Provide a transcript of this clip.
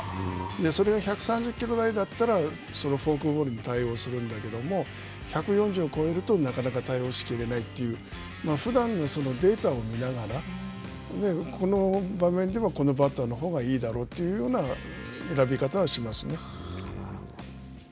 それが１３０キロ台だったらフォークボールに対応するんだけども、１４０を超えるとなかなか対応しきれないという、ふだんのデータを見ながら、この場面ではこのバッターのほうがいいだろうというような選び方はしますね。